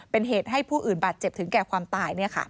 เป็นเหตุให้ผู้อื่นบาดเจ็บถึงแก่ความตาย